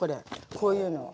こういうの。